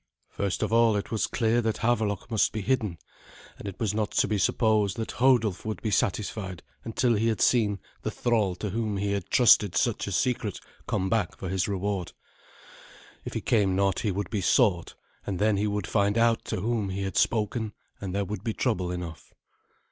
First of all it was clear that Havelok must be hidden, and it was not to be supposed that Hodulf would be satisfied until he had seen the thrall to whom he had trusted such a secret come back for his reward. If he came not he would be sought; and then he would find out to whom he had spoken, and there would be trouble enough.